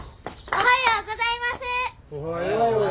おはようございます。